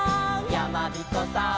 「やまびこさん」